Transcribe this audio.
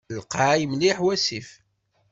Lqay mliḥ wasif.